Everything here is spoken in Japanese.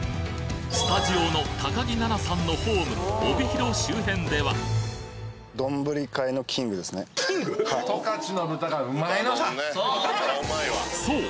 スタジオの木菜那さんのホーム帯広周辺ではそう！